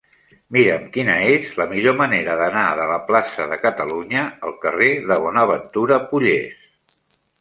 Mira'm quina és la millor manera d'anar de la plaça de Catalunya al carrer de Bonaventura Pollés.